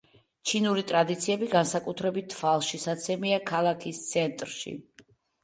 ჩინური ტრადიციები განსაკუთრებით თვალშისაცემია ქალაქის ცენტრში.